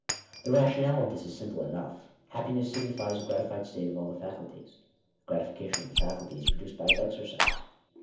The rationale of this is simple enough. Happiness signi , fies a gratified state of all the faculties. The gratification of a I faculty is produced by its exercise.